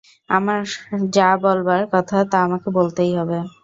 আমার যা বলবার কথা তা আমাকে বলতেই হবে।